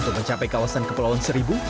untuk mencapai kawasan kepulauan seribu